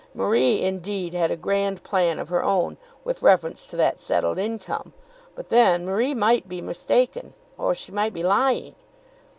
Marie, indeed, had a grand plan of her own, with reference to that settled income; but then Marie might be mistaken, or she might be lying.